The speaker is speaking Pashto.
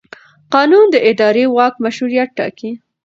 قانون د اداري واک مشروعیت ټاکي.